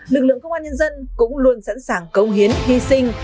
lực lượng công an nhân dân cũng luôn sẵn sàng công hiến hy sinh